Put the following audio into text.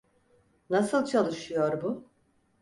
Nasıl çalışıyor bu?